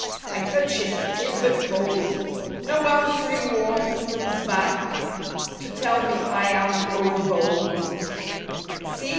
I touch it, 'tis but cold, No answering warmth comes back, To tell me I am overbold, See!